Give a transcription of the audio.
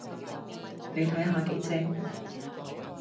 你睇下幾正